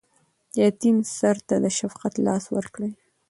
د یتیم سر ته د شفقت لاس ورکړئ.